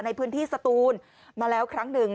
ในพื้นที่สตูนมาแล้วครั้งหนึ่ง